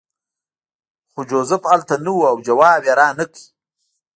خو جوزف هلته نه و او ځواب یې رانکړ